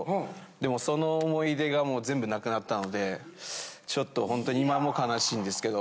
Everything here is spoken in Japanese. でもその思い出がもう全部なくなったのでちょっとほんとに今も悲しいんですけど。